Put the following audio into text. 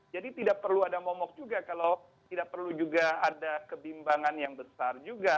jadi tidak perlu ada momok juga kalau tidak perlu juga ada kebimbangan yang besar juga